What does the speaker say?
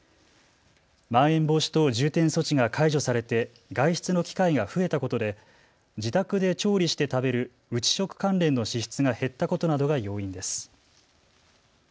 まん延防止等重点措置が解除されて外出の機会が増えたことで自宅で調理して食べる内食関連の支出が減ったことなどが要因です。